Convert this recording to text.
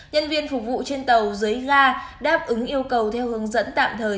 nhân viên phục vụ trên tàu dưới ga đáp ứng yêu cầu theo hướng dẫn tạm thời